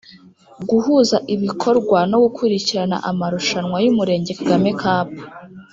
Guhuza ibikorwa no gukurikirana amarushanwa y Umurenge Kagame Cup